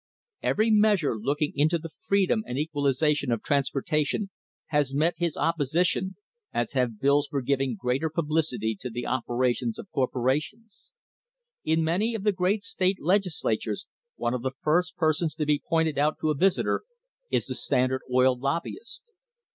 Every measure looking to the freedom and equalisation of transportation has met his oppo sition, as have bills for giving greater publicity to the opera tions of corporations. In many of the great state Legislatures one of the first persons to be pointed out to a visitor is the Standard Oil lobbyist.